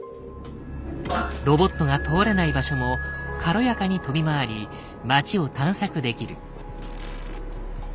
ロボットが通れない場所も軽やかに飛び回り街を探索できる。